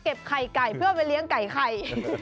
ไข่ไก่เพื่อไปเลี้ยงไก่ไข่